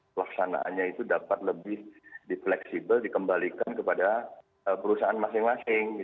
pelaksanaannya itu dapat lebih di fleksibel dikembalikan kepada perusahaan masing masing